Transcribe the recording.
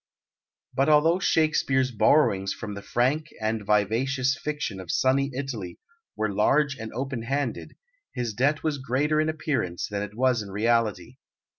But although Shakespeare's borrowings from the frank and vivacious fiction of sunny Italy were large and open handed, his debt was greater in appearance than it was in reality.